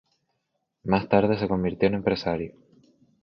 Más tarde se convirtió en empresario.